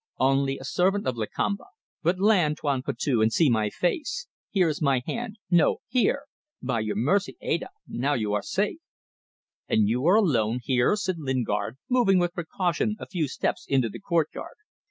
"Only a servant of Lakamba. But land, Tuan Putih, and see my face. Here is my hand. No! Here! ... By your mercy. ... Ada! ... Now you are safe." "And you are alone here?" said Lingard, moving with precaution a few steps into the courtyard.